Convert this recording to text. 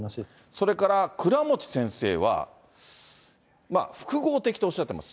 それから倉持先生は、複合的とおっしゃっています。